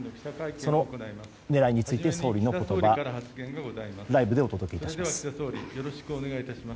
その狙いについて総理の言葉ライブでお届けいたします。